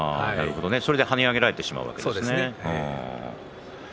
それで跳ね上げられてしまうんですね。